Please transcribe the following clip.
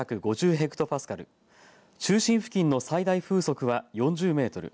ヘクトパスカル中心付近の最大風速は４０メートル